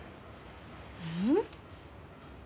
うん？